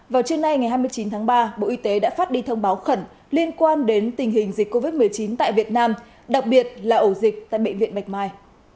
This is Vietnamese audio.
vào trưa nay ngày hai mươi chín tháng ba bộ y tế đã phát đi thông báo khẩn liên quan đến tình hình dịch covid một mươi chín tại việt nam đặc biệt là ổ dịch tại bệnh viện bạch mai